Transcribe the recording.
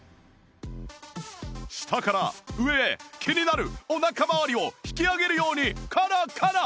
下から上へ気になるお腹まわりを引き上げるようにコロコロ